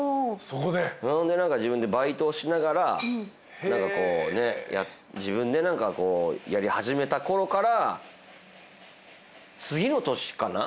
それで自分でバイトをしながら自分でやり始めたころから次の年かな？